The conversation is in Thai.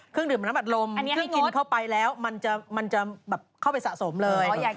เครื่องดื่มมันน้ำแบบรมเครื่องกินเข้าไปแล้วมันจะเข้าไปสะสมเลย